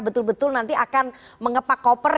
betul betul nanti akan mengepak koper